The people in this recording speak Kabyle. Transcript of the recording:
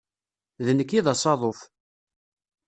D nekk i d asaḍuf.